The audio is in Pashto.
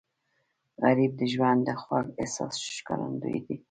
غریب د ژوند د خوږ احساس ښکارندوی دی